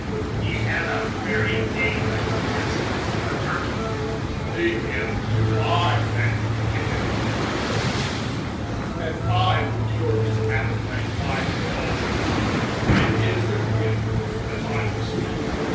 He has a very dangerous propensity for turkey." "Leave him to my management, Dickon," said the Judge, "and I will cure his appetite by indulgence. It is with him that I would speak.